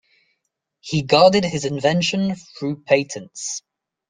He guarded his invention through patents.